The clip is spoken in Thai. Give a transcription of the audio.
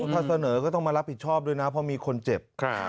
ถ้าเสนอก็ต้องมารับผิดชอบด้วยนะเพราะมีคนเจ็บ